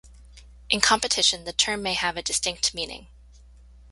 In competition, the term may have a distinct meaning.